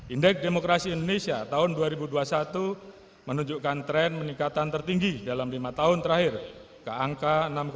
indeks demokrasi indonesia tahun dua ribu dua puluh satu menunjukkan tren peningkatan tertinggi dalam lima tahun terakhir ke angka enam tujuh